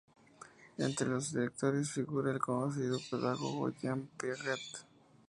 Entre los sus directores figura el conocido pedagogo Jean Piaget.